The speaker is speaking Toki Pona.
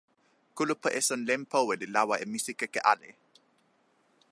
kulupu esun len powe li lawa e misikeke ale.